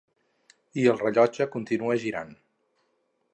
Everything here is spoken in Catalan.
I el rellotge continua girant.